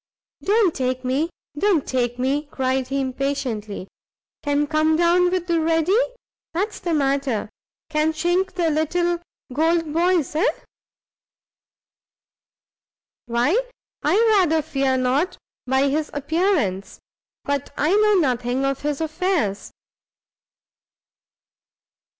"Don't take me, don't take me," cried he, impatiently; "can come down with the ready, that's the matter; can chink the little gold boys? eh?" "Why I rather fear not by his appearance; but I know nothing of his affairs."